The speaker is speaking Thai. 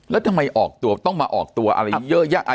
แล้วทำไมออกตัวต้องมาออกตัวอะไรเยอะแยะ